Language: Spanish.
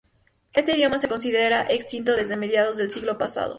Este idioma se considera extinto desde mediados del siglo pasado.